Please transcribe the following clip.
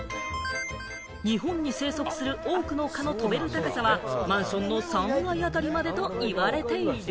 日本に生息する多くの蚊の飛べる高さはマンションの３階あたりまでと言われている。